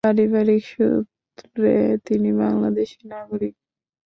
পারিবারিক সূত্রে তিনি বাংলাদেশী নাগরিক।